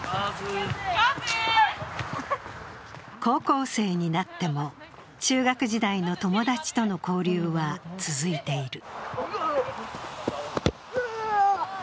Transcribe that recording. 高校生になっても中学時代の友達との交流は続いている。